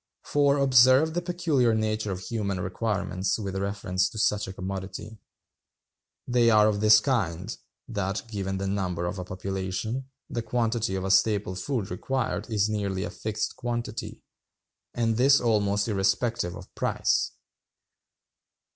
For observe the peculiar nature of human requirements with reference to such a commodity. They are of this kind, that, given the number of a population, the quantity of the staple food required is nearly a fixed quantity, and this almost irrespective of price.